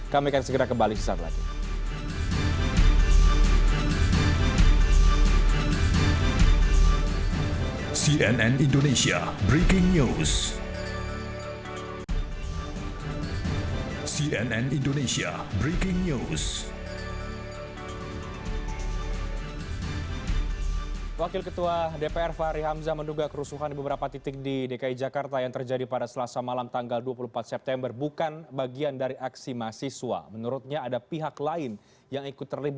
kami akan segera kembali sesaat lagi